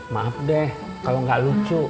maaf deh kalau gak lucu